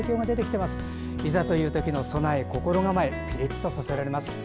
いざというときの備え、心構えピリッとさせられます。